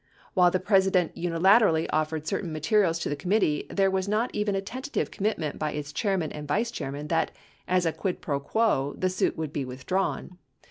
While the Presi dent unilateralli / offered certain materials to the committee, there was not even a tentative commitment by its Chairman and Vice Chairman that, as a quid pro quo. the Suit would be withdrawn.